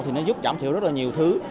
thì nó giúp giảm thiểu rất là nhiều thứ